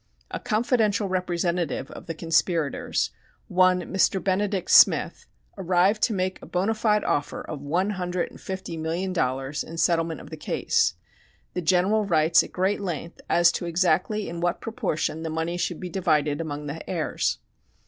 A "confidential representative" of the conspirators one "Mr. Benedict Smith" arrived to make a bona fide offer of one hundred and fifty million dollars in settlement of the case. The General writes at great length as to exactly in what proportion the money should be divided among the heirs.